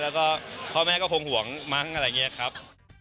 แล้วก็พ่อแม่ก็คงห่วงมั้งอะไรอย่างนี้ครับ